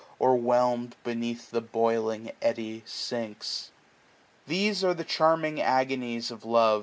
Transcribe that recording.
Or whelm'd beneath the boiling eddy sinks. 1070 These are the charming agonies of love.